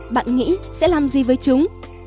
bạn nghĩ sẽ làm gì với chúng